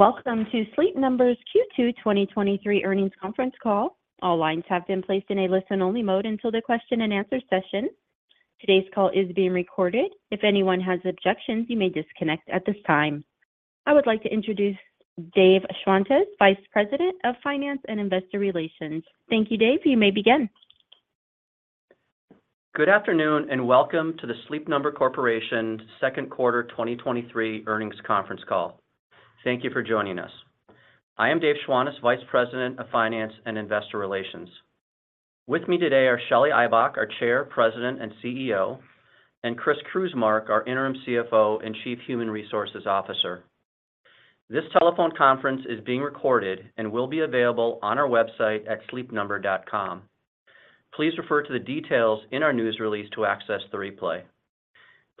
Welcome to Sleep Number's Q2 2023 earnings conference call. All lines have been placed in a listen-only mode until the question-and-answer session. Today's call is being recorded. If anyone has objections, you may disconnect at this time. I would like to introduce Dave Schwantes, Vice President of Finance and investor relations. Thank you, Dave. You may begin. Good afternoon, and welcome to the Sleep Number Corporation second quarter 2023 earnings conference call. Thank you for joining us. I am Dave Schwantes, Vice President of Finance and investor relations. With me today are Shelly Ibach, our Chair, President, and CEO, and Chris Krusmark, our Interim CFO and Chief Human Resources Officer. This telephone conference is being recorded and will be available on our website at sleepnumber.com. Please refer to the details in our news release to access the replay.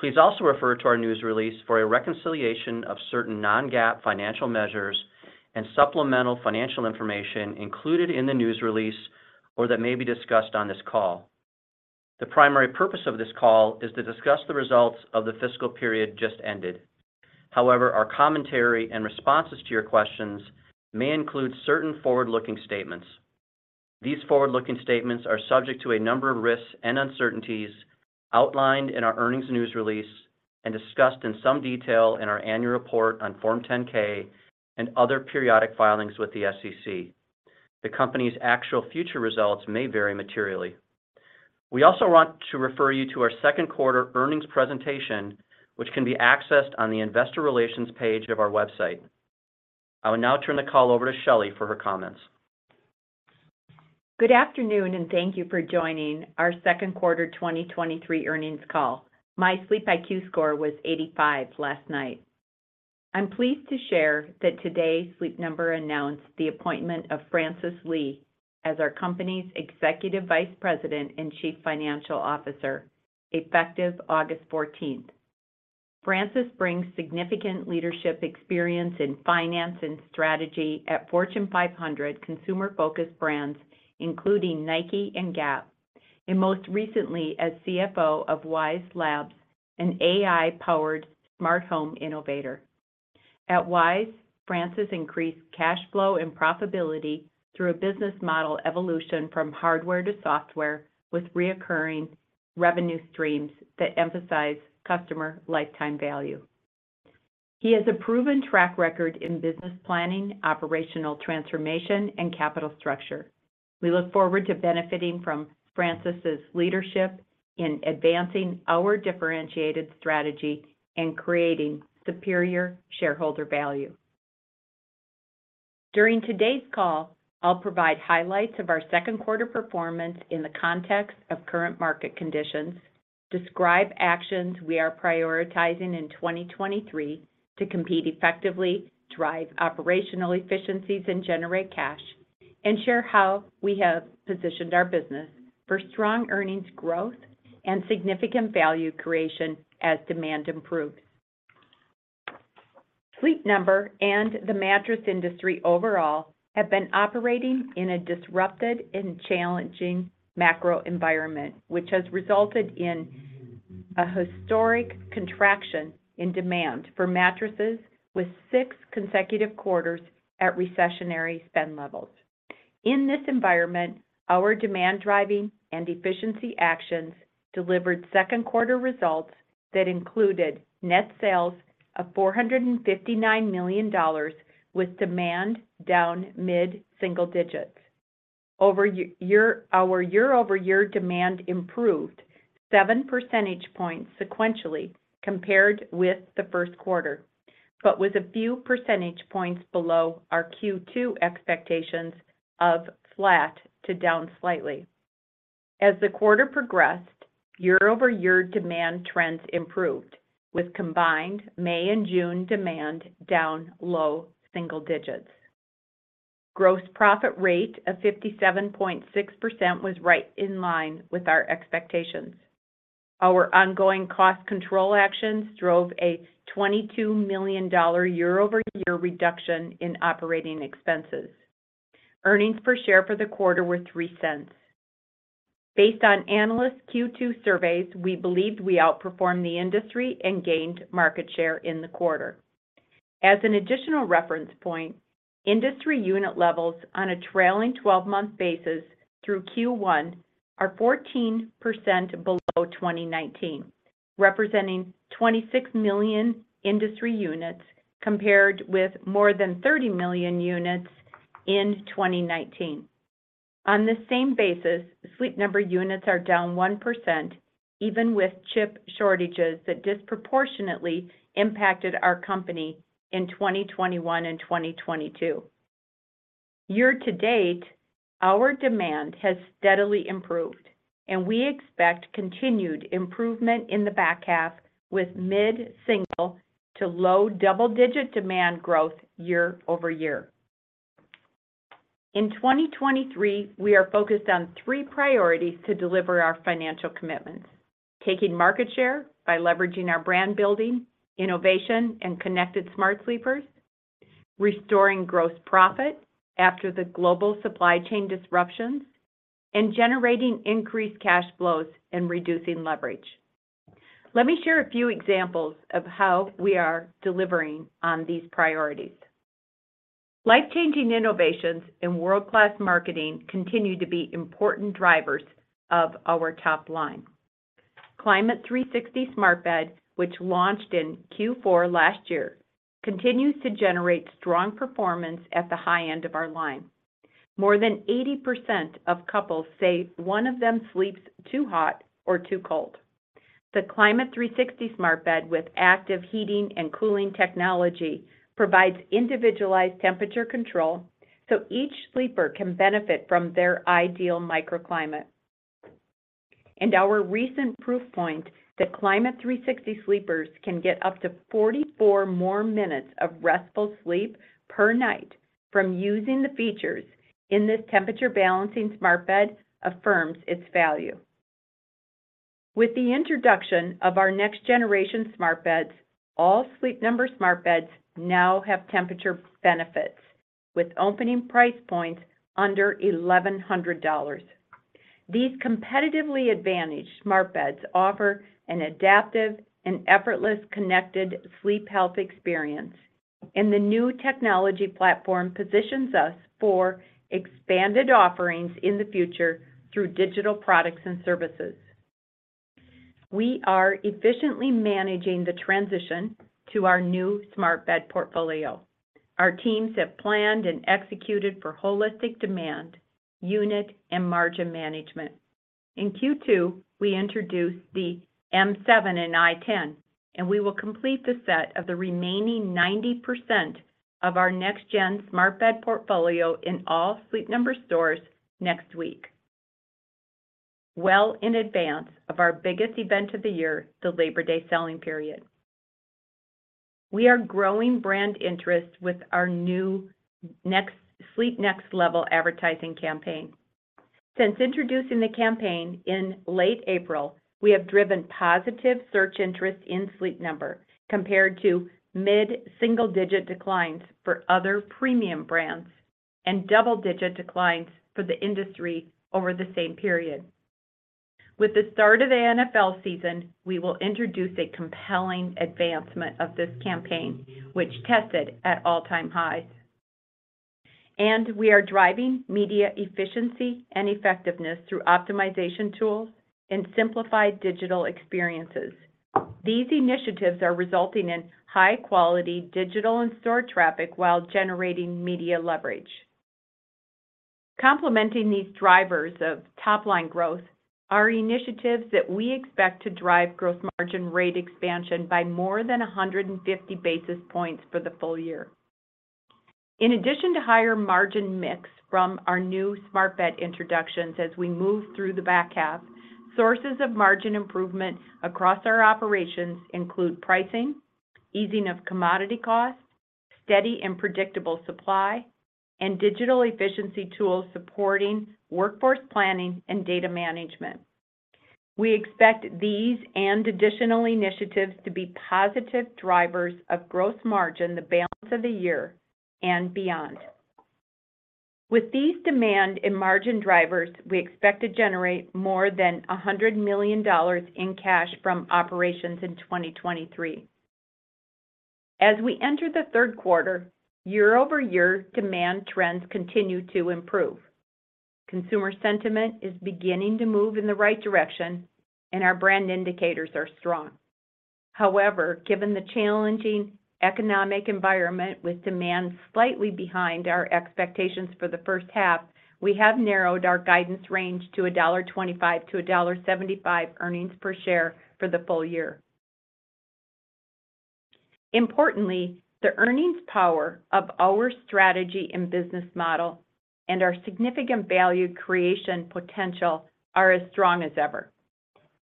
Please also refer to our news release for a reconciliation of certain non-GAAP financial measures and supplemental financial information included in the news release or that may be discussed on this call. The primary purpose of this call is to discuss the results of the fiscal period just ended. However, our commentary and responses to your questions may include certain forward-looking statements. These forward-looking statements are subject to a number of risks and uncertainties outlined in our earnings news release and discussed in some detail in our annual report on Form 10-K and other periodic filings with the SEC. The company's actual future results may vary materially. We also want to refer you to our second quarter earnings presentation, which can be accessed on the investor relations page of our website. I will now turn the call over to Shelly for her comments. Good afternoon and thank you for joining our second quarter 2023 earnings call. My SleepIQ score was 85 last night. I'm pleased to share that today, Sleep Number announced the appointment of Francis Lee as our company's Executive Vice President and Chief Financial Officer, effective August 14th. Francis brings significant leadership experience in finance and strategy at Fortune 500 consumer-focused brands, including Nike and Gap, and most recently as CFO of Wyze Labs, an AI-powered smart home innovator. At Wyze, Francis increased cash flow and profitability through a business model evolution from hardware to software, with reoccurring revenue streams that emphasize customer lifetime value. He has a proven track record in business planning, operational transformation, and capital structure. We look forward to benefiting from Francis's leadership in advancing our differentiated strategy and creating superior shareholder value. During today's call, I'll provide highlights of our second quarter performance in the context of current market conditions, describe actions we are prioritizing in 2023 to compete effectively, drive operational efficiencies, and generate cash, and share how we have positioned our business for strong earnings growth and significant value creation as demand improves. Sleep Number and the mattress industry overall have been operating in a disrupted and challenging macro environment, which has resulted in a historic contraction in demand for mattresses with six consecutive quarters at recessionary spend levels. In this environment, our demand-driving and efficiency actions delivered second quarter results that included net sales of $459 million, with demand down mid-single digits. Our year-over-year demand improved seven percentage points sequentially compared with the first quarter, with a few percentage points below our Q2 expectations of flat to down slightly. As the quarter progressed, year-over-year demand trends improved, with combined May and June demand down low single digits. Gross profit rate of 57.6% was right in line with our expectations. Our ongoing cost control actions drove a $22 million year-over-year reduction in operating expenses. Earnings per share for the quarter were $0.03. Based on analyst Q2 surveys, we believed we outperformed the industry and gained market share in the quarter. As an additional reference point, industry unit levels on a trailing twelve-month basis through Q1 are 14% below 2019, representing 26 million industry units, compared with more than 30 million units in 2019. On the same basis, Sleep Number units are down 1%, even with chip shortages that disproportionately impacted our company in 2021 and 2022. Year to date, our demand has steadily improved. We expect continued improvement in the back half, with mid-single to low-double-digit demand growth year-over-year. In 2023, we are focused on three priorities to deliver our financial commitments: taking market share by leveraging our brand building, innovation, and connected smart sleepers; restoring gross profit after the global supply chain disruptions; and generating increased cash flows and reducing leverage. Let me share a few examples of how we are delivering on these priorities. Life-changing innovations and world-class marketing continue to be important drivers of our top line. Climate360 smart bed, which launched in Q4 last year, continues to generate strong performance at the high end of our line. More than 80% of couples say one of them sleeps too hot or too cold. The Climate360 smart bed, with active heating and cooling technology, provides individualized temperature control, so each sleeper can benefit from their ideal microclimate. Our recent proof point that Climate360 sleepers can get up to 44 more minutes of restful sleep per night from using the features in this temperature-balancing smart bed affirms its value. With the introduction of our next-generation smart beds, all Sleep Number smart beds now have temperature benefits, with opening price points under $1,100. These competitively advantaged smart beds offer an adaptive and effortless connected sleep health experience, and the new technology platform positions us for expanded offerings in the future through digital products and services. We are efficiently managing the transition to our new smart bed portfolio. Our teams have planned and executed for holistic demand, unit, and margin management. In Q2, we introduced the m7 and i10, and we will complete the set of the remaining 90% of our next-gen smart bed portfolio in all Sleep Number stores next week, well in advance of our biggest event of the year, the Labor Day selling period. We are growing brand interest with our new Sleep Next Level advertising campaign. Since introducing the campaign in late April, we have driven positive search interest in Sleep Number compared to mid-single-digit declines for other premium brands and double-digit declines for the industry over the same period. With the start of the NFL season, we will introduce a compelling advancement of this campaign, which tested at all-time highs. We are driving media efficiency and effectiveness through optimization tools and simplified digital experiences. These initiatives are resulting in high-quality digital and store traffic while generating media leverage. Complementing these drivers of top-line growth are initiatives that we expect to drive gross margin rate expansion by more than 150 basis points for the full year. In addition to higher margin mix from our new smart bed introductions as we move through the back half, sources of margin improvement across our operations include pricing, easing of commodity costs, steady and predictable supply, and digital efficiency tools supporting workforce planning and data management. We expect these and additional initiatives to be positive drivers of gross margin the balance of the year and beyond. With these demand and margin drivers, we expect to generate more than $100 million in cash from operations in 2023. As we enter the third quarter, year-over-year demand trends continue to improve. Consumer sentiment is beginning to move in the right direction, and our brand indicators are strong. However, given the challenging economic environment with demand slightly behind our expectations for the first half, we have narrowed our guidance range to $1.25-$1.75 earnings per share for the full year. Importantly, the earnings power of our strategy and business model and our significant value creation potential are as strong as ever.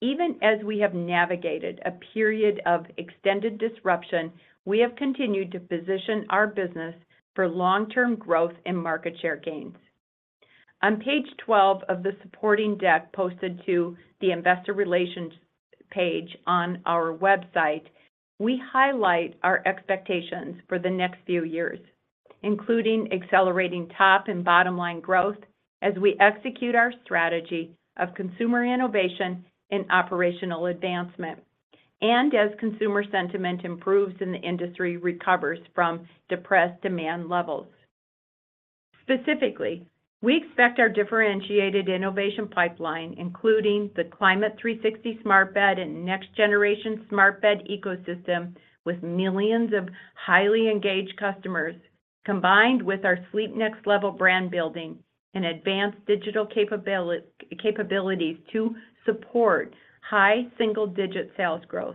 Even as we have navigated a period of extended disruption, we have continued to position our business for long-term growth and market share gains. On page 12 of the supporting deck posted to the investor relations page on our website, we highlight our expectations for the next few years, including accelerating top and bottom-line growth as we execute our strategy of consumer innovation and operational advancement, and as consumer sentiment improves and the industry recovers from depressed demand levels. Specifically, we expect our differentiated innovation pipeline, including the Climate360 smart bed and next-generation smart bed ecosystem, with millions of highly engaged customers, combined with our Sleep Next Level brand building and advanced digital capabilities to support high single-digit sales growth.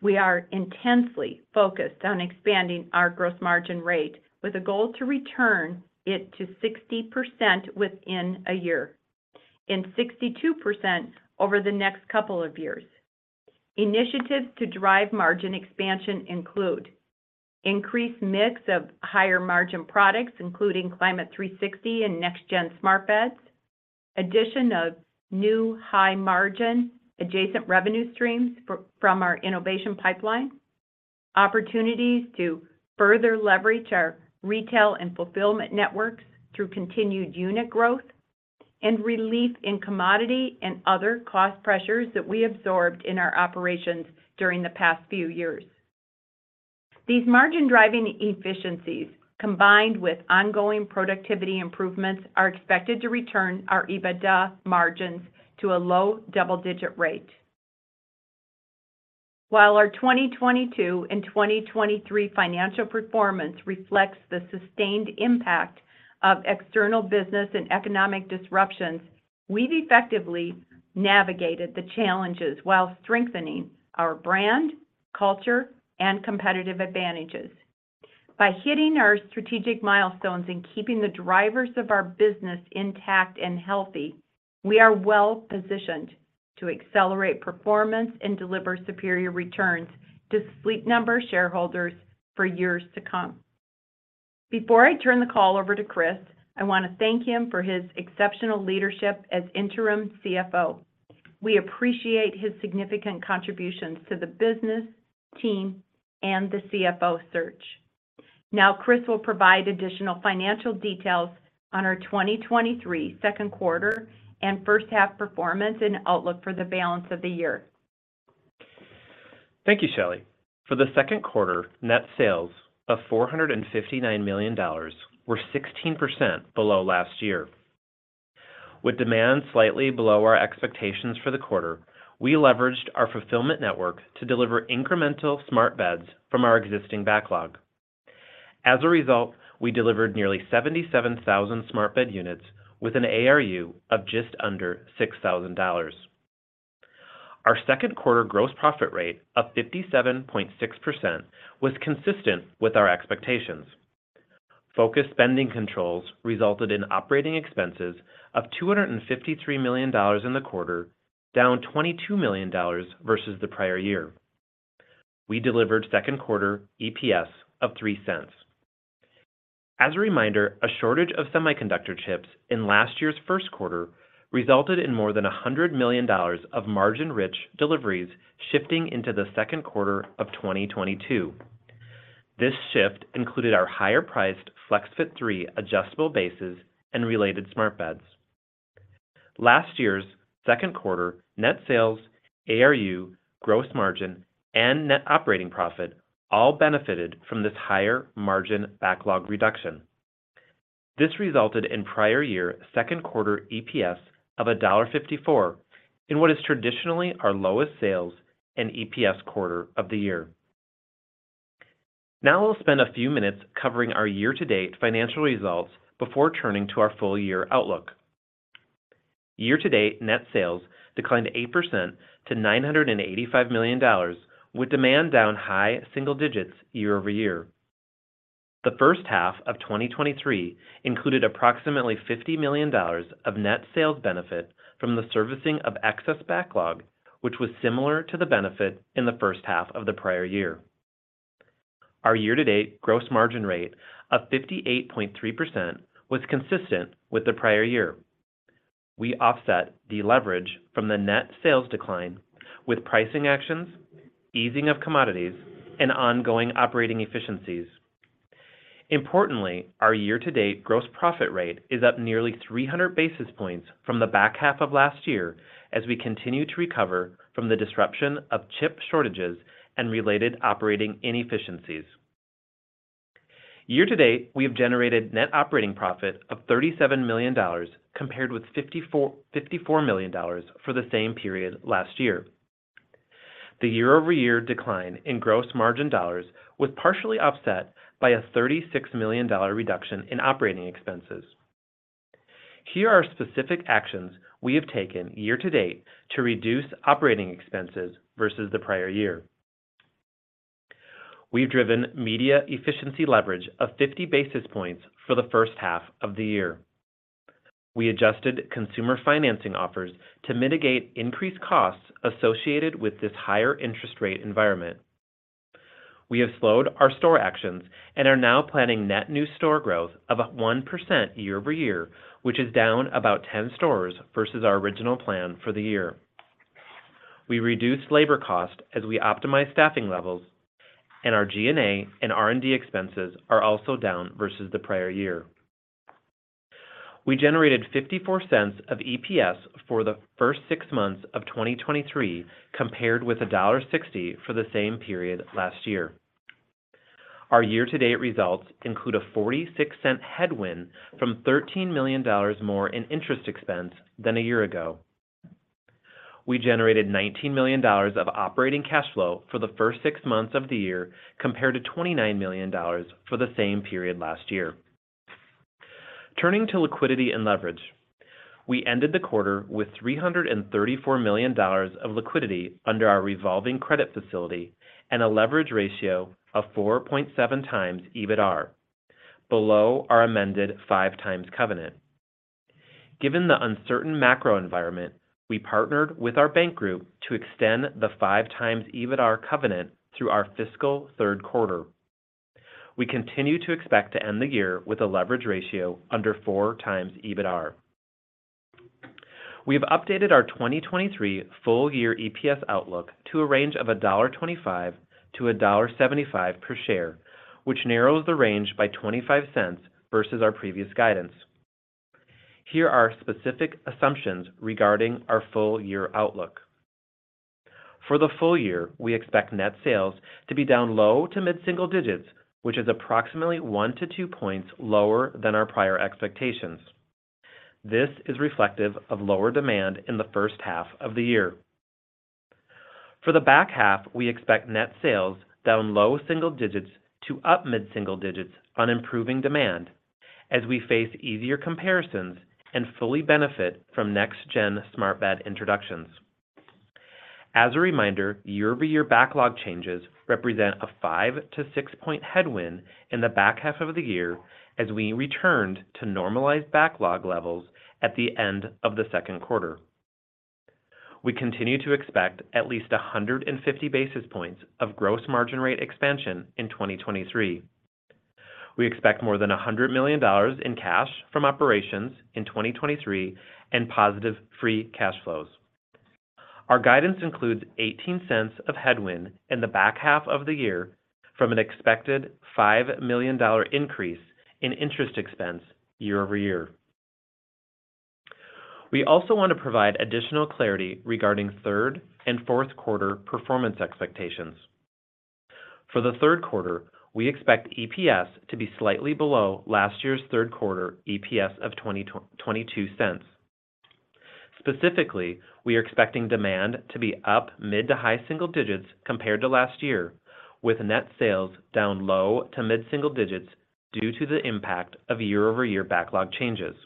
We are intensely focused on expanding our gross margin rate with a goal to return it to 60% within one year and 62% over the next couple of years. Initiatives to drive margin expansion include increased mix of higher-margin products, including Climate360 and next-gen smart beds, addition of new high-margin adjacent revenue streams from our innovation pipeline, opportunities to further leverage our retail and fulfillment networks through continued unit growth, and relief in commodity and other cost pressures that we absorbed in our operations during the past few years. These margin-driving efficiencies, combined with ongoing productivity improvements, are expected to return our EBITDA margins to a low double-digit rate. While our 2022 and 2023 financial performance reflects the sustained impact of external business and economic disruptions, we've effectively navigated the challenges while strengthening our brand, culture, and competitive advantages. By hitting our strategic milestones and keeping the drivers of our business intact and healthy, we are well-positioned to accelerate performance and deliver superior returns to Sleep Number shareholders for years to come. Before I turn the call over to Chris, I want to thank him for his exceptional leadership as interim CFO. We appreciate his significant contributions to the business, team, and the CFO search. Now, Chris will provide additional financial details on our 2023 second quarter and first half performance and outlook for the balance of the year. Thank you, Shelly. For the second quarter, net sales of $459 million were 16% below last year. With demand slightly below our expectations for the quarter, we leveraged our fulfillment network to deliver incremental smart beds from our existing backlog. As a result, we delivered nearly 77,000 smart bed units with an ARU of just under $6,000. Our second quarter gross profit rate of 57.6% was consistent with our expectations. Focused spending controls resulted in operating expenses of $253 million in the quarter, down $22 million versus the prior year. We delivered second quarter EPS of $0.03. As a reminder, a shortage of semiconductor chips in last year's first quarter resulted in more than $100 million of margin-rich deliveries shifting into the second quarter of 2022. This shift included our higher-priced FlexFit 3 adjustable bases and related smart beds. Last year's second quarter net sales, ARU, gross margin, and net operating profit all benefited from this higher margin backlog reduction. This resulted in prior year second quarter EPS of $1.54, in what is traditionally our lowest sales and EPS quarter of the year. We'll spend a few minutes covering our year-to-date financial results before turning to our full year outlook. Year-to-date net sales declined 8% to $985 million, with demand down high single digits year-over-year. The first half of 2023 included approximately $50 million of net sales benefit from the servicing of excess backlog, which was similar to the benefit in the first half of the prior year. Our year-to-date gross margin rate of 58.3% was consistent with the prior year. We offset the leverage from the net sales decline with pricing actions, easing of commodities, and ongoing operating efficiencies. Importantly, our year-to-date gross profit rate is up nearly 300 basis points from the back half of last year as we continue to recover from the disruption of chip shortages and related operating inefficiencies. Year to date, we have generated net operating profit of $37 million, compared with $54, $54 million for the same period last year. The year-over-year decline in gross margin dollars was partially offset by a $36 million reduction in operating expenses. Here are specific actions we have taken year to date to reduce operating expenses versus the prior year. We've driven media efficiency leverage of 50 basis points for the first half of the year. We adjusted consumer financing offers to mitigate increased costs associated with this higher interest rate environment. We have slowed our store actions and are now planning net new store growth of 1% year-over-year, which is down about 10 stores versus our original plan for the year. We reduced labor cost as we optimized staffing levels. Our G&A and R&D expenses are also down versus the prior year. We generated $0.54 of EPS for the first six months of 2023, compared with $1.60 for the same period last year. Our year-to-date results include a $0.46 headwind from $13 million more in interest expense than a year ago. We generated $19 million of operating cash flow for the first six months of the year, compared to $29 million for the same period last year. Turning to liquidity and leverage, we ended the quarter with $334 million of liquidity under our revolving credit facility and a leverage ratio of 4.7x EBITDAR, below our amended 5x covenant. Given the uncertain macro environment, we partnered with our bank group to extend the 5x EBITDAR covenant through our fiscal third quarter. We continue to expect to end the year with a leverage ratio under 4x EBITDAR. We've updated our 2023 full year EPS outlook to a range of $1.25-$1.75 per share, which narrows the range by $0.25 versus our previous guidance. Here are specific assumptions regarding our full year outlook. For the full year, we expect net sales to be down low to mid-single digits, which is approximately one to two points lower than our prior expectations. This is reflective of lower demand in the first half of the year. For the back half, we expect net sales down low single digits to up mid-single digits on improving demand as we face easier comparisons and fully benefit from next-gen smart beds introductions. As a reminder, year-over-year backlog changes represent a five-six point headwind in the back half of the year as we returned to normalized backlog levels at the end of the second quarter. We continue to expect at least 150 basis points of gross margin rate expansion in 2023. We expect more than $100 million in cash from operations in 2023 and positive free cash flows. Our guidance includes $0.18 of headwind in the back half of the year from an expected $5 million increase in interest expense year-over-year. We also want to provide additional clarity regarding third and fourth quarter performance expectations. For the third quarter, we expect EPS to be slightly below last year's third quarter EPS of $0.22. Specifically, we are expecting demand to be up mid- to high-single digits compared to last year, with net sales down low- to mid-single digits due to the impact of year-over-year backlog changes.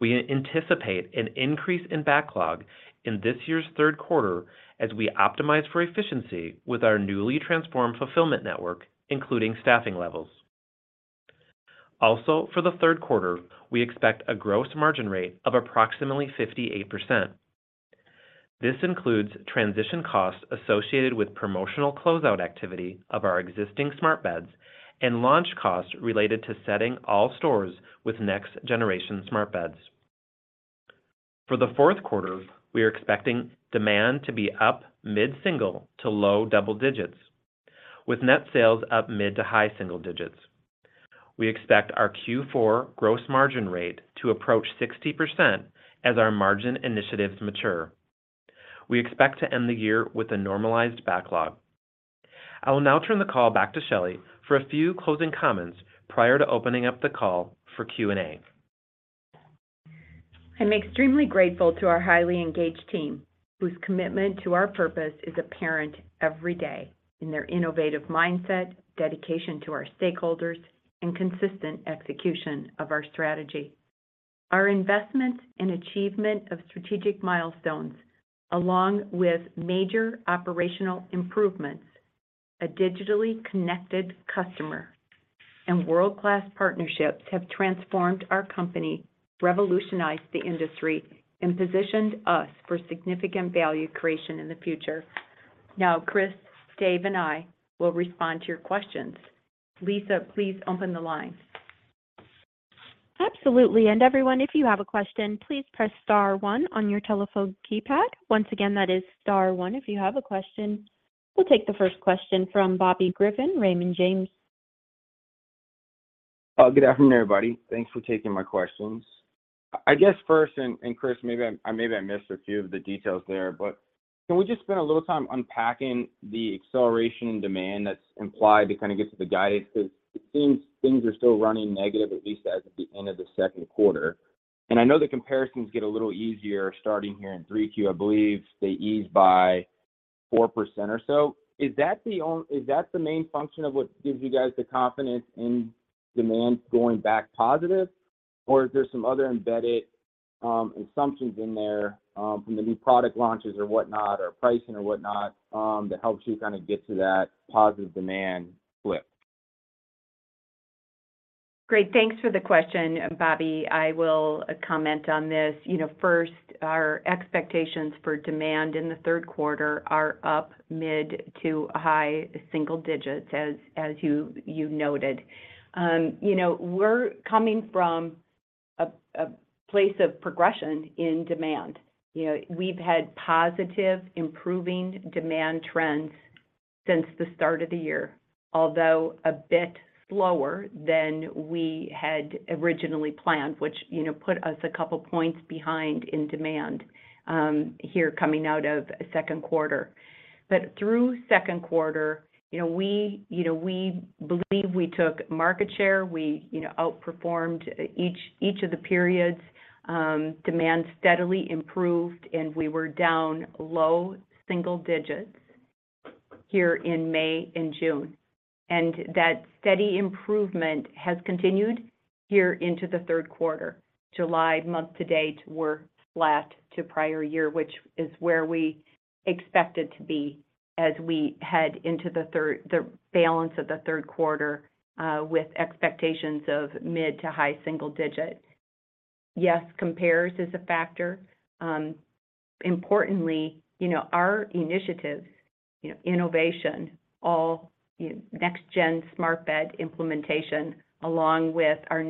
We anticipate an increase in backlog in this year's third quarter as we optimize for efficiency with our newly transformed fulfillment network, including staffing levels. Also, for the third quarter, we expect a gross margin rate of approximately 58%. This includes transition costs associated with promotional closeout activity of our existing smart beds and launch costs related to setting all stores with next generation smart beds. For the fourth quarter, we are expecting demand to be up mid-single to low double digits, with net sales up mid to high single digits. We expect our Q4 gross margin rate to approach 60% as our margin initiatives mature. We expect to end the year with a normalized backlog. I will now turn the call back to Shelly for a few closing comments prior to opening up the call for Q&A. I'm extremely grateful to our highly engaged team, whose commitment to our purpose is apparent every day in their innovative mindset, dedication to our stakeholders, and consistent execution of our strategy. Our investment and achievement of strategic milestones, along with major operational improvements, a digitally connected customer, and world-class partnerships, have transformed our company, revolutionized the industry, and positioned us for significant value creation in the future. Now, Chris, Dave, and I will respond to your questions. Lisa, please open the line. Absolutely. Everyone, if you have a question, please press star one on your telephone keypad. Once again, that is star one if you have a question. We'll take the first question from Bobby Griffin, Raymond James. Good afternoon, everybody. Thanks for taking my questions. I guess first, Chris, maybe I missed a few of the details there, but can we just spend a little time unpacking the acceleration in demand that's implied to kind of get to the guidance? Because it seems things are still running negative, at least as of the end of the 2Q. I know the comparisons get a little easier starting here in 3Q. I believe they ease by 4% or so. Is that the main function of what gives you guys the confidence in demand going back positive, or is there some other embedded assumptions in there, from the new product launches or whatnot, or pricing or whatnot, that helps you kind of get to that positive demand flip? Great. Thanks for the question, Bobby. I will comment on this. You know, first, our expectations for demand in the third quarter are up mid to high single digits, as, as you, you noted. You know, we're coming from a, a place of progression in demand. You know, we've had positive, improving demand trends since the start of the year, although a bit slower than we had originally planned, which, you know, put us a couple points behind in demand here coming out of second quarter. Through second quarter, you know, we, you know, we believe we took market share. We, you know, outperformed each, each of the periods, demand steadily improved, and we were down low single digits here in May and June. That steady improvement has continued here into the third quarter. July, month to date, we're flat to prior year, which is where we expected to be as we head into the balance of the third quarter, with expectations of mid to high single digit. Yes, compares is a factor, importantly, you know, our initiatives, you know, innovation, all, you know, next-gen smart bed implementation, along with our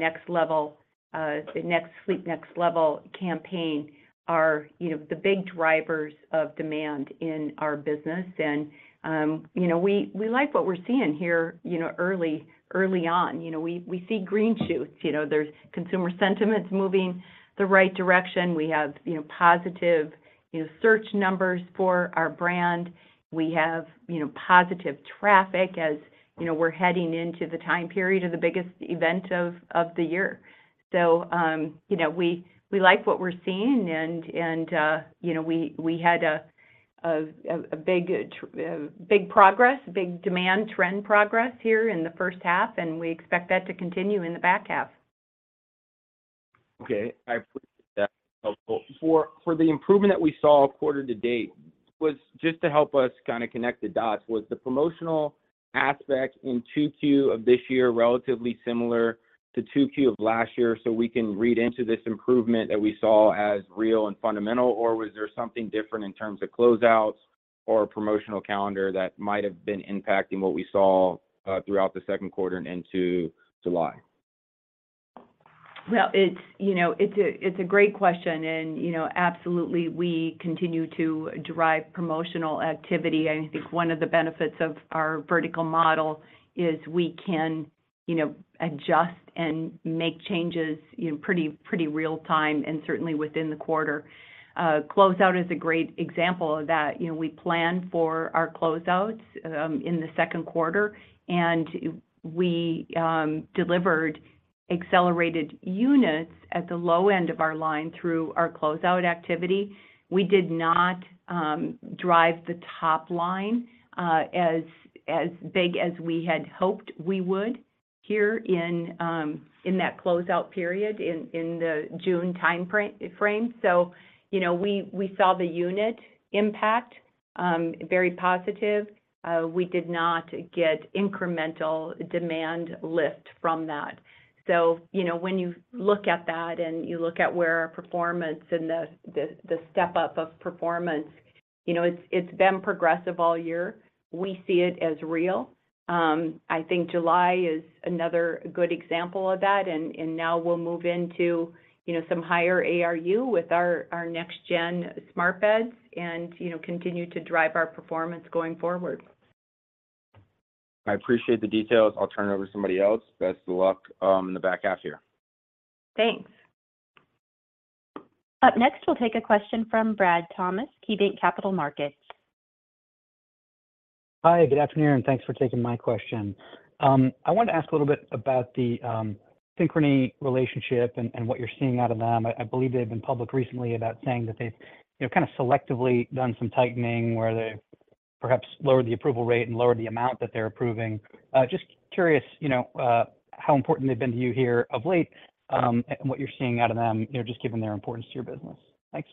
Sleep Next Level campaign, are, you know, the big drivers of demand in our business. You know, we, we like what we're seeing here, you know, early, early on. You know, we, we see green shoots. You know, there's consumer sentiments moving the right direction. We have, you know, positive, you know, search numbers for our brand. We have, you know, positive traffic, as, you know, we're heading into the time period of the biggest event of, of the year. You know, we, we like what we're seeing and, and, you know, we, we had a big progress, a big demand trend progress here in the first half, and we expect that to continue in the back half. Okay. I appreciate that. For the improvement that we saw quarter to date, was. Just to help us kind of connect the dots, was the promotional aspect in Q2 of this year relatively similar to Q2 of last year, so we can read into this improvement that we saw as real and fundamental? Was there something different in terms of closeouts or promotional calendar that might have been impacting what we saw throughout the second quarter and into July? Well, it's, you know, it's a, it's a great question, and, you know, absolutely, we continue to derive promotional activity. I think one of the benefits of our vertical model is we can, you know, adjust and make changes in pretty, pretty real time, and certainly within the quarter. Closeout is a great example of that. You know, we plan for our closeouts in the second quarter, and we delivered accelerated units at the low end of our line through our closeout activity. We did not drive the top line as big as we had hoped we would here in that closeout period in the June time frame. You know, we, we saw the unit impact, very positive. We did not get incremental demand lift from that. You know, when you look at that and you look at where our performance and the, the, the step-up of performance, you know, it's, it's been progressive all year. We see it as real. I think July is another good example of that, and, and now we'll move into, you know, some higher ARU with our, our next-gen smart beds and, you know, continue to drive our performance going forward. I appreciate the details. I'll turn it over to somebody else. Best of luck in the back half year. Thanks. Up next, we'll take a question from Brad Thomas, KeyBanc Capital Markets. Hi, good afternoon, and thanks for taking my question. I wanted to ask a little bit about the Synchrony relationship and what you're seeing out of them. I believe they've been public recently about saying that they've, you know, kind of selectively done some tightening, where they've perhaps lowered the approval rate and lowered the amount that they're approving. Just curious, you know, how important they've been to you here of late, and what you're seeing out of them, you know, just given their importance to your business. Thanks.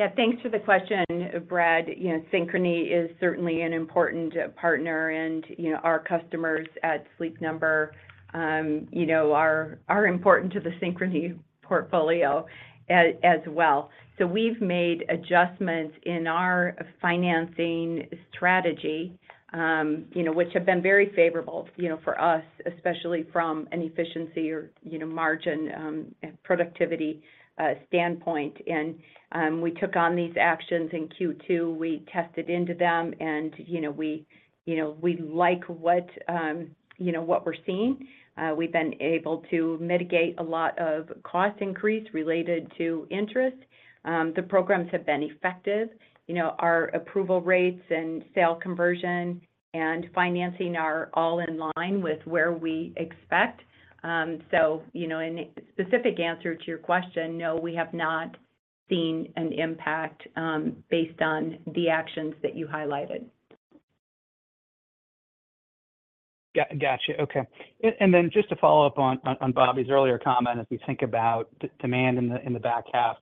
Yeah, thanks for the question, Brad. You know, Synchrony is certainly an important partner, and, you know, our customers at Sleep Number, you know, are, are important to the Synchrony portfolio as well. We've made adjustments in our financing strategy, you know, which have been very favorable, you know, for us, especially from an efficiency or, you know, margin, and productivity standpoint. We took on these actions in Q2. We tested into them, you know, we, you know, we like what, you know, what we're seeing. We've been able to mitigate a lot of cost increase related to interest. The programs have been effective. You know, our approval rates and sale conversion and financing are all in line with where we expect. You know, in specific answer to your question, no, we have not seen an impact, based on the actions that you highlighted. Yeah, gotcha. Okay. Then just to follow up on, on, on Bobby's earlier comment, as we think about demand in the, in the back half,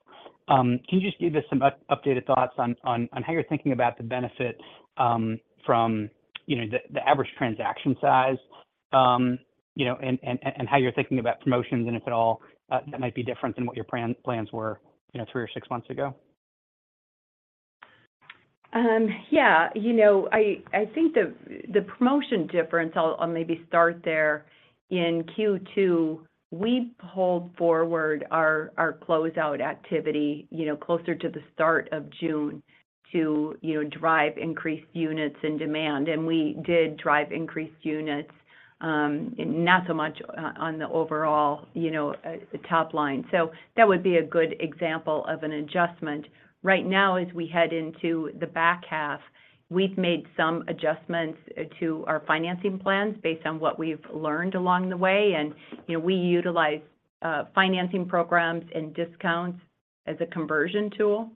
can you just give us some updated thoughts on, on, on how you're thinking about the benefits, from, you know, the, the average transaction size, you know, and, and, and how you're thinking about promotions, and if at all, that might be different than what your plans were, you know, three or six months ago? Yeah. You know, I, I think the, the promotion difference, I'll, I'll maybe start there. In Q2, we pulled forward our, our closeout activity, you know, closer to the start of June to, you know, drive increased units and demand, and we did drive increased units, not so much on the overall, you know, the top line. That would be a good example of an adjustment. Right now, as we head into the back half, we've made some adjustments to our financing plans based on what we've learned along the way, and, you know, we utilize financing programs and discounts as a conversion tool.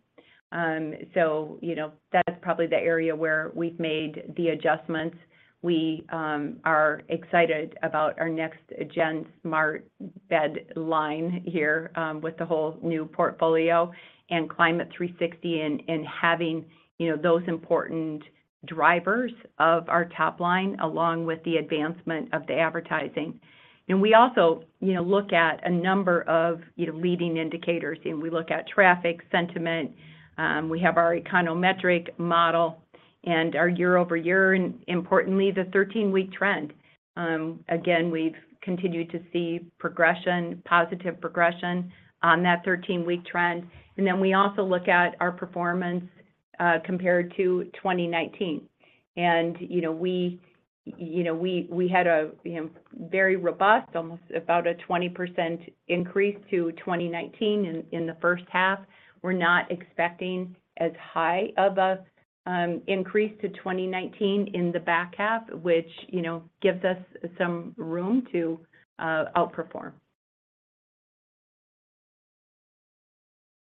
You know, that's probably the area where we've made the adjustments. We are excited about our next-gen smart bed line here with the whole new portfolio and Climate360 and, and having, you know, those important drivers of our top line, along with the advancement of the advertising. We also, you know, look at a number of, you know, leading indicators, and we look at traffic, sentiment, we have our econometric model.... and our year-over-year, and importantly, the 13-week trend. Again, we've continued to see progression, positive progression on that 13-week trend. Then we also look at our performance, compared to 2019. You know, we, you know, we, we had a very robust, almost about a 20% increase to 2019 in, in the first half. We're not expecting as high of a increase to 2019 in the back half, which, you know, gives us some room to outperform.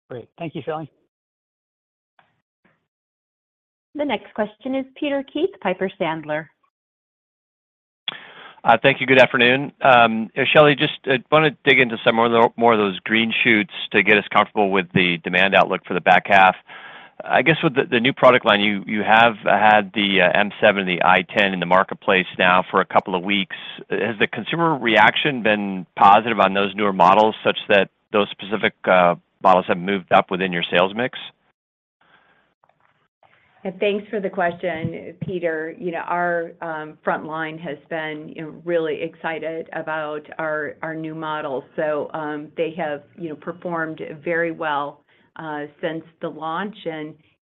Great. Thank you, Shelly. The next question is Peter Keith, Piper Sandler. Thank you. Good afternoon. Shelly, just wanna dig into some more of those green shoots to get us comfortable with the demand outlook for the back half. I guess with the new product line, you have had the m7 and the i10 in the marketplace now for a couple of weeks. Has the consumer reaction been positive on those newer models, such that those specific models have moved up within your sales mix? Yeah, thanks for the question, Peter. You know, our frontline has been, you know, really excited about our, our new models. They have, you know, performed very well since the launch.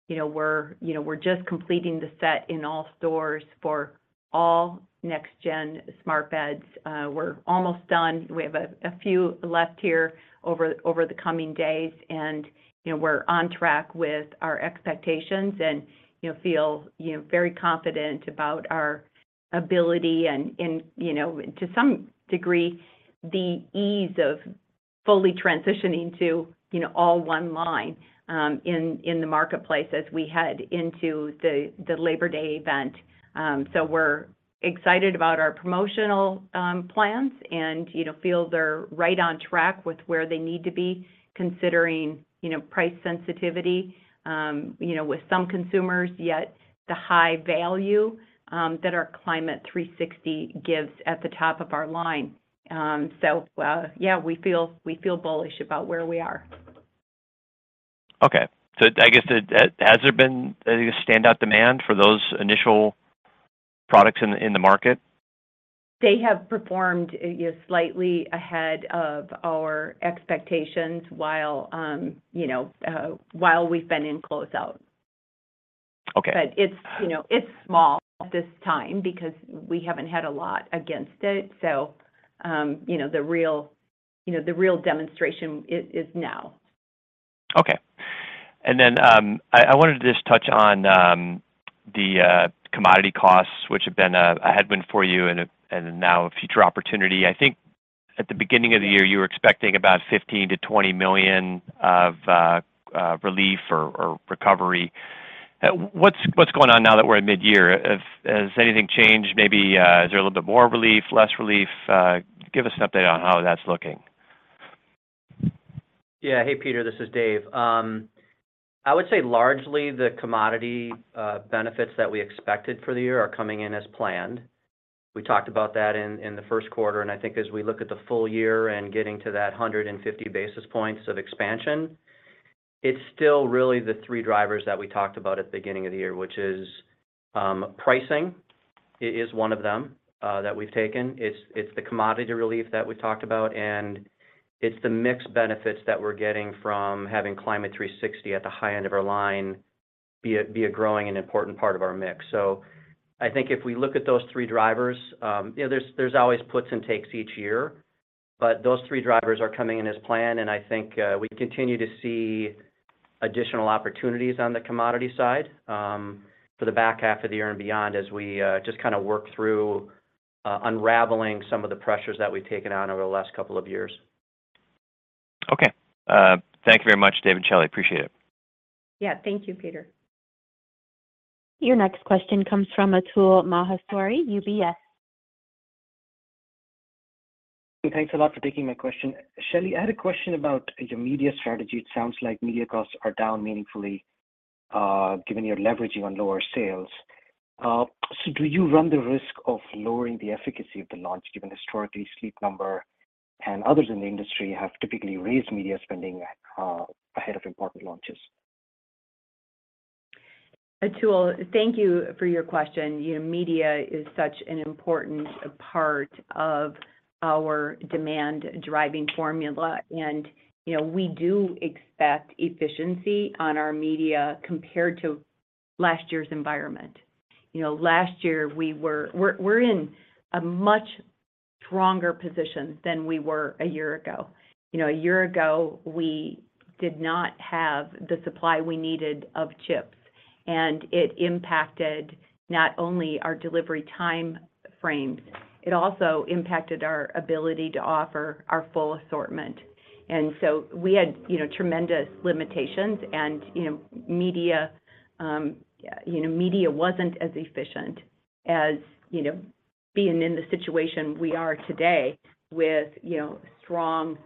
You know, we're, you know, we're just completing the set in all stores for all next-gen smart beds. We're almost done. We have a, a few left here over, over the coming days, and, you know, we're on track with our expectations and, you know, feel, you know, very confident about our ability and, and, you know, to some degree, the ease of fully transitioning to, you know, all one line in, in the marketplace as we head into the, the Labor Day event. We're excited about our promotional plans and, you know, feel they're right on track with where they need to be, considering, you know, price sensitivity, you know, with some consumers, yet the high value that our Climate360 gives at the top of our line. Yeah, we feel, we feel bullish about where we are. Okay. I guess, has there been standout demand for those initial products in the market? They have performed, yeah, slightly ahead of our expectations while, you know, while we've been in closeout. Okay. It's, you know, it's small at this time because we haven't had a lot against it. You know, the real, you know, the real demonstration is, is now. Okay. Then, I, I wanted to just touch on the commodity costs, which have been a headwind for you and now a future opportunity. I think at the beginning of the year, you were expecting about $15 million-$20 million of relief or recovery. What's, what's going on now that we're at midyear? Has anything changed? Maybe, is there a little bit more relief, less relief? Give us an update on how that's looking. Yeah. Hey, Peter, this is Dave. I would say largely, the commodity benefits that we expected for the year are coming in as planned. We talked about that in, in the first quarter, and I think as we look at the full year and getting to that 150 basis points of expansion, it's still really the three drivers that we talked about at the beginning of the year, which is, pricing is one of them that we've taken. It's, it's the commodity relief that we talked about, and it's the mix benefits that we're getting from having Climate360 at the high end of our line, be a, be a growing and important part of our mix. I think if we look at those three drivers, you know, there's, there's always puts and takes each year, but those three drivers are coming in as planned, and I think, we continue to see additional opportunities on the commodity side, for the back half of the year and beyond, as we just kind of work through unraveling some of the pressures that we've taken on over the last couple of years. Okay. Thank you very much, Dave and Shelly. Appreciate it. Yeah. Thank you, Peter. Your next question comes from Atul Maheswari, UBS. Thanks a lot for taking my question. Shelly, I had a question about your media strategy. It sounds like media costs are down meaningfully, given you're leveraging on lower sales. Do you run the risk of lowering the efficacy of the launch, given historically, Sleep Number and others in the industry have typically raised media spending, ahead of important launches? Atul, thank you for your question. You know, media is such an important part of our demand-driving formula, and, you know, we do expect efficiency on our media compared to last year's environment. You know, last year we're in a much stronger position than we were a year ago. You know, a year ago, we did not have the supply we needed of chips, and it impacted not only our delivery time frames, it also impacted our ability to offer our full assortment. So we had, you know, tremendous limitations and, you know, media, you know, media wasn't as efficient as, you know, being in the situation we are today with, you know, strong,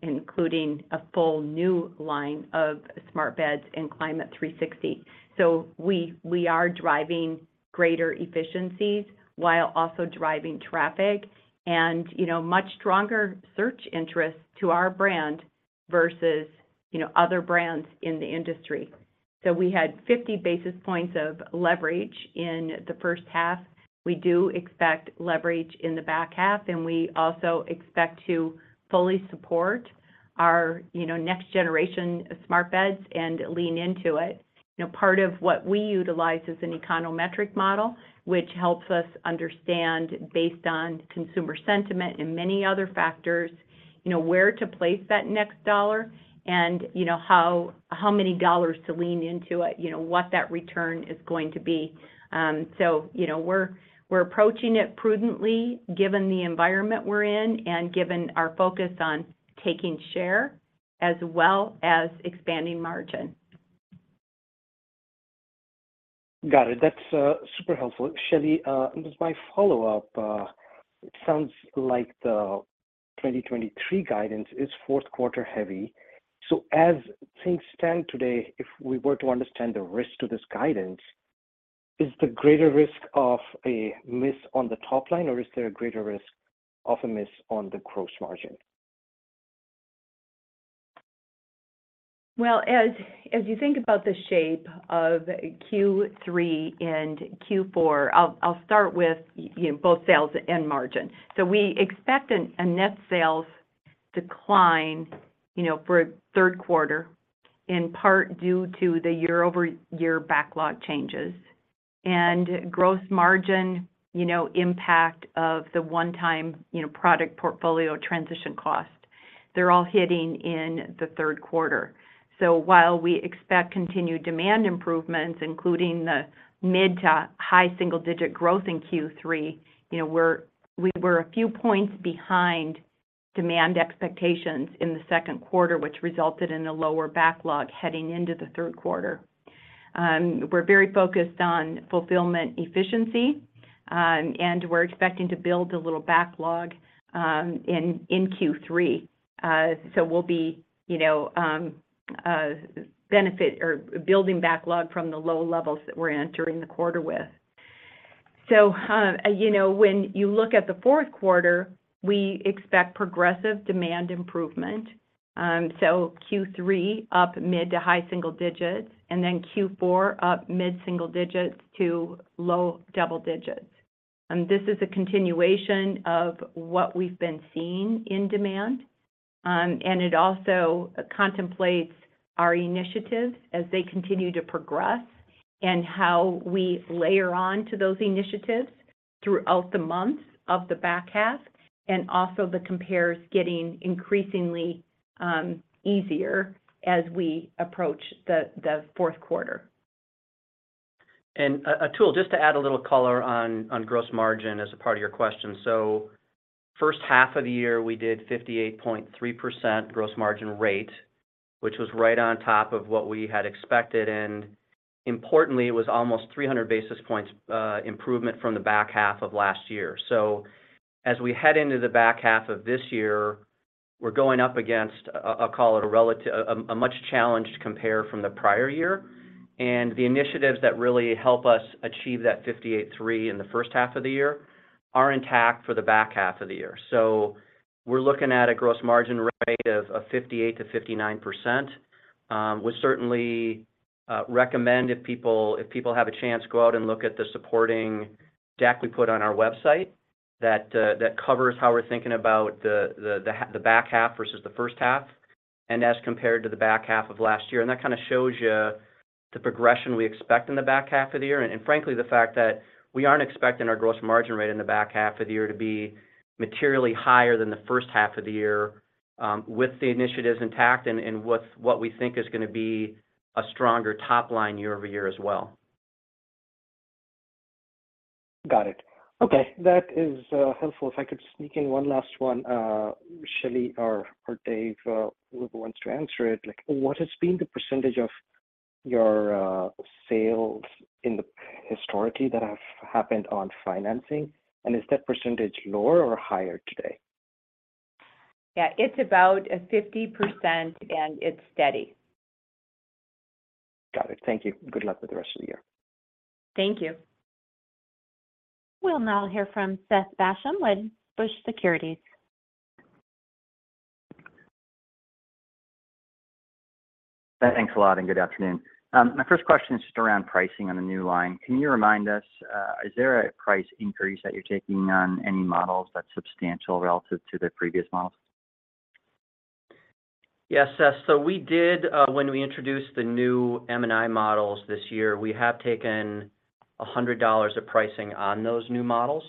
including a full new line of smart beds and Climate360. We, we are driving greater efficiencies while also driving traffic and, you know, much stronger search interest to our brand versus, you know, other brands in the industry. We had 50 basis points of leverage in the first half. We do expect leverage in the back half, and we also expect to fully support our, you know, next-gen smart beds and lean into it. You know, part of what we utilize is an econometric model, which helps us understand, based on consumer sentiment and many other factors, you know, where to place that next dollar and, you know, how, how many dollars to lean into it, you know, what that return is going to be. You know, we're, we're approaching it prudently, given the environment we're in and given our focus on taking share as well as expanding margin. Got it. That's super helpful. Shelly, just my follow-up, it sounds like the 2023 guidance is fourth quarter heavy. As things stand today, if we were to understand the risk to this guidance, is the greater risk of a miss on the top line, or is there a greater risk of a miss on the gross margin? Well, as, as you think about the shape of Q3 and Q4, I'll, I'll start with, you know, both sales and margin. We expect a, a net sales decline, you know, for third quarter, in part due to the year-over-year backlog changes. Gross margin, you know, impact of the one-time, you know, product portfolio transition cost. They're all hitting in the third quarter. While we expect continued demand improvements, including the mid-to-high single-digit growth in Q3, you know, we were a few points behind demand expectations in the second quarter, which resulted in a lower backlog heading into the third quarter. We're very focused on fulfillment efficiency, and we're expecting to build a little backlog in, in Q3. We'll be, you know, benefit or building backlog from the low levels that we're entering the quarter with. You know, when you look at the fourth quarter, we expect progressive demand improvement. Q3 up mid to high single digits, and then Q4 up mid single digits to low double digits. This is a continuation of what we've been seeing in demand, and it also contemplates our initiatives as they continue to progress and how we layer on to those initiatives throughout the months of the back half, and also the compares getting increasingly easier as we approach the, the fourth quarter. Atul, just to add a little color on, on gross margin as a part of your question. First half of the year, we did 58.3% gross margin rate, which was right on top of what we had expected, and importantly, it was almost 300 basis points improvement from the back half of last year. As we head into the back half of this year, we're going up against, I'll call it a relative, a much-challenged compare from the prior year. The initiatives that really help us achieve that 58.3 in the first half of the year are intact for the back half of the year. We're looking at a gross margin rate of, of 58%-59%. We certainly recommend if people, if people have a chance, go out and look at the supporting deck we put on our website, that covers how we're thinking about the back half versus the first half, and as compared to the back half of last year. That kind of shows you the progression we expect in the back half of the year, and frankly, the fact that we aren't expecting our gross margin rate in the back half of the year to be materially higher than the first half of the year, with the initiatives intact and what we think is gonna be a stronger top line year-over-year as well. Got it. Okay, that is helpful. If I could sneak in one last one, Shelly or Dave, whoever wants to answer it, like, what has been the percentage of your sales in the historically that have happened on financing, and is that percentage lower or higher today? Yeah, it's about a 50%, and it's steady. Got it. Thank you. Good luck with the rest of the year. Thank you. We'll now hear from Seth Basham with Wedbush Securities. Thanks a lot, and good afternoon. My first question is just around pricing on the new line. Can you remind us, is there a price increase that you're taking on any models that's substantial relative to the previous models? Yes, Seth. We did, when we introduced the new M&I models this year, we have taken $100 of pricing on those new models.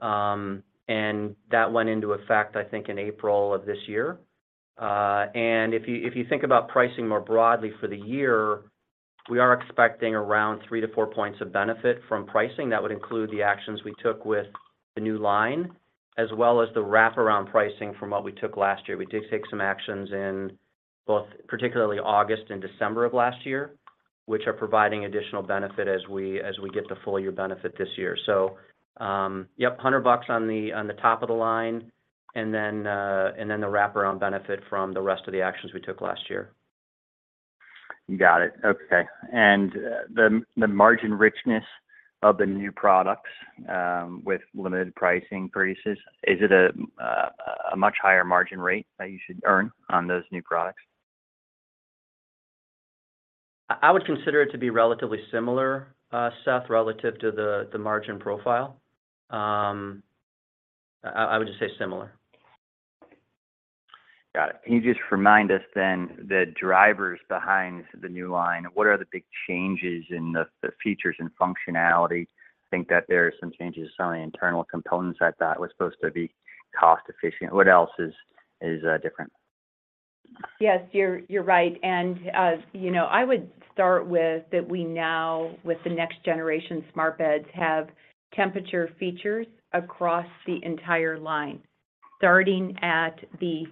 That went into effect, I think, in April of this year. If you, if you think about pricing more broadly for the year, we are expecting around three-four points of benefit from pricing. That would include the actions we took with the new line, as well as the wraparound pricing from what we took last year. We did take some actions in both, particularly August and December of last year, which are providing additional benefit as we, as we get the full year benefit this year. Yep, $100 on the, on the top of the line, and then the wraparound benefit from the rest of the actions we took last year. You got it. Okay. The margin richness of the new products, with limited pricing increases, is it a much higher margin rate that you should earn on those new products? I, I would consider it to be relatively similar, Seth, relative to the, the margin profile. I, I would just say similar. Got it. Can you just remind us then the drivers behind the new line, what are the big changes in the, the features and functionality? I think that there are some changes to some of the internal components that that was supposed to be cost-efficient. What else is, is, different? Yes, you're, you're right. You know, I would start with that we now, with the next-gen smart beds, have temperature features across the entire line, starting at the,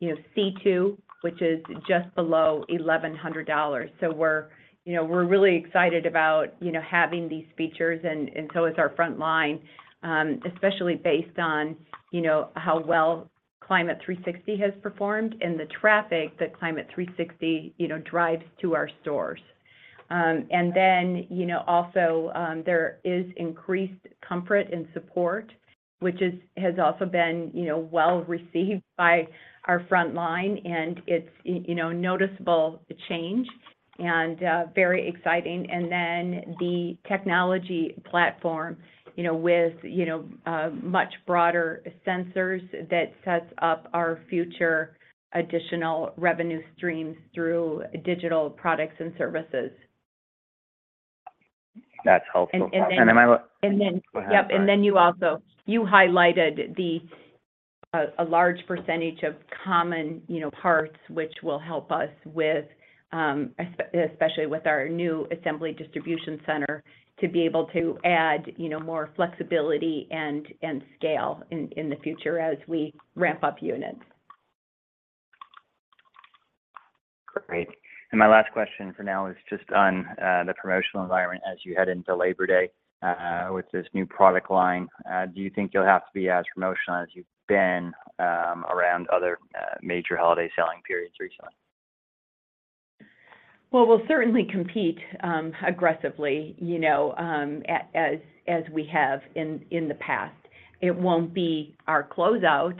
you know, C2, which is just below $1,100. We're, you know, we're really excited about, you know, having these features, and so is our front line, especially based on, you know, how well Climate360 has performed and the traffic that Climate360, you know, drives to our stores. You know, also, there is increased comfort and support, which has also been, you know, well-received by our front line, and it's, you know, noticeable change and very exciting. The technology platform, you know, with, you know, much broader sensors that sets up our future additional revenue streams through digital products and services. That's helpful. And, and- my last- And then- Go ahead. Yep, then you also, you highlighted the a large percentage of common, you know, parts, which will help us with especially with our new assembly distribution center, to be able to add, you know, more flexibility and, and scale in, in the future as we ramp up units. Great. My last question for now is just on the promotional environment as you head into Labor Day. With this new product line, do you think you'll have to be as promotional as you've been around other major holiday selling periods recently? Well, we'll certainly compete, aggressively, you know, as, as we have in, in the past. It won't be our closeout.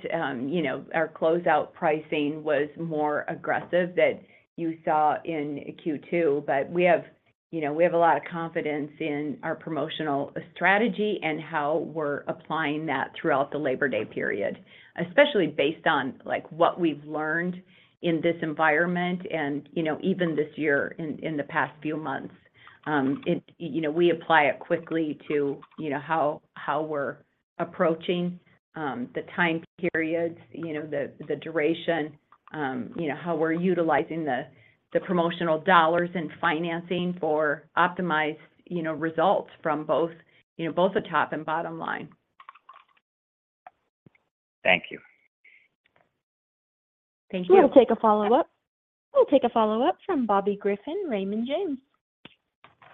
You know, our closeout pricing was more aggressive that you saw in Q2, but we have, you know, we have a lot of confidence in our promotional strategy and how we're applying that throughout the Labor Day period, especially based on, like, what we've learned in this environment and, you know, even this year in, in the past few months. You know, we apply it quickly to, you know, how, how we're approaching, the time periods, you know, the, the duration, you know, how we're utilizing the, the promotional dollars and financing for optimized, you know, results from both, you know, both the top and bottom line. Thank you. Thank you. We'll take a follow-up. We'll take a follow-up from Bobby Griffin, Raymond James.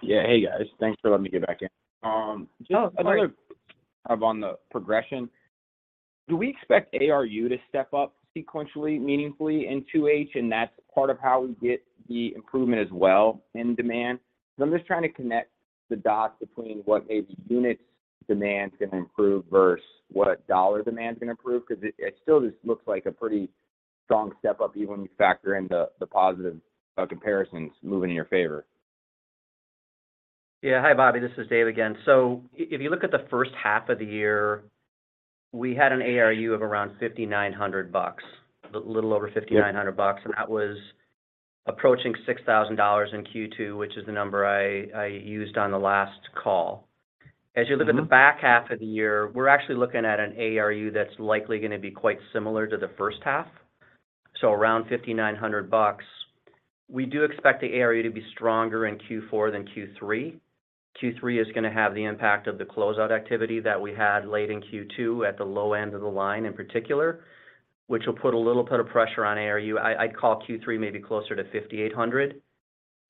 Yeah. Hey, guys. Thanks for letting me get back in. Oh, sorry. -another up on the progression. Do we expect ARU to step up sequentially, meaningfully in 2H, and that's part of how we get the improvement as well in demand? I'm just trying to connect the dots between what maybe units demand is going to improve versus what dollar demand is going to improve, because it, it still just looks like a pretty strong step up, even when you factor in the, the positive comparisons moving in your favor. Yeah. Hi, Bobby, this is Dave again. If you look at the first half of the year, we had an ARU of around $5,900, a little over $5,900. Yep That was approaching $6,000 in Q2, which is the number I, I used on the last call. Mm-hmm. As you look at the back half of the year, we're actually looking at an ARU that's likely gonna be quite similar to the first half, so around $5,900. We do expect the ARU to be stronger in Q4 than Q3. Q3 is gonna have the impact of the closeout activity that we had late in Q2, at the low end of the line in particular, which will put a little bit of pressure on ARU. I'd call Q3 maybe closer to $5,800,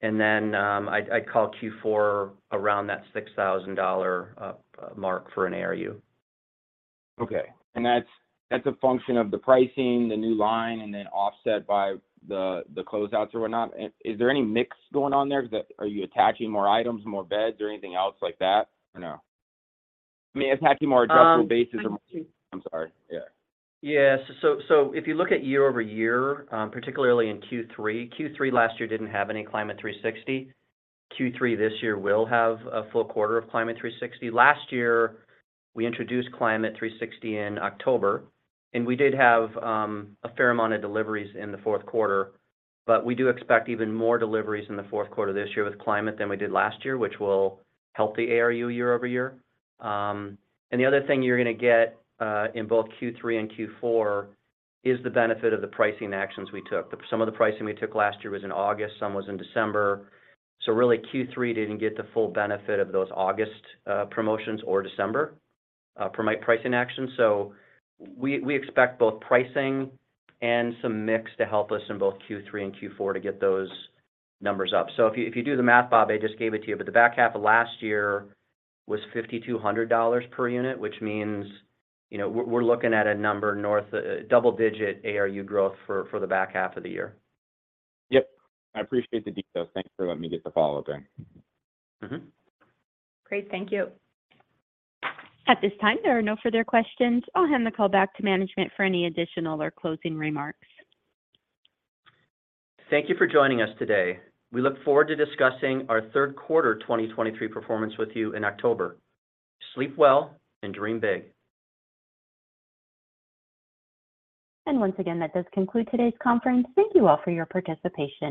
and then I'd call Q4 around that $6,000 mark for an ARU. Okay. That's, that's a function of the pricing, the new line, and then offset by the, the closeouts or whatnot? Is there any mix going on there? Are you attaching more items, more beds, or anything else like that, or no? I mean, attaching more adjustable bases or- Um. I'm sorry. Yeah. Yeah. If you look at year-over-year, particularly in Q3, Q3 last year didn't have any Climate360. Q3 this year will have a full quarter of Climate360. Last year, we introduced Climate360 in October, and we did have a fair amount of deliveries in the fourth quarter, but we do expect even more deliveries in the fourth quarter this year with Climate than we did last year, which will help the ARU year-over-year. And the other thing you're gonna get in both Q3 and Q4, is the benefit of the pricing actions we took. Some of the pricing we took last year was in August, some was in December. Really, Q3 didn't get the full benefit of those August promotions or December for my pricing actions. We, we expect both pricing and some mix to help us in both Q3 and Q4 to get those numbers up. If you, if you do the math, Bob, I just gave it to you, but the back half of last year was $5,200 per unit, which means, you know, we're, we're looking at a number north, double-digit ARU growth for, for the back half of the year. Yep. I appreciate the details. Thank you for letting me get the follow-up then. Mm-hmm. Great. Thank you. At this time, there are no further questions. I'll hand the call back to management for any additional or closing remarks. Thank you for joining us today. We look forward to discussing our third quarter 2023 performance with you in October. Sleep well and dream big. Once again, that does conclude today's conference. Thank you all for your participation.